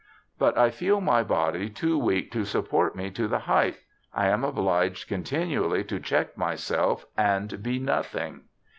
But I feel my body too weak to support me to the height, I am obliged continually to check myself and be nothing.'